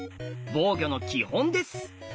防御の基本です。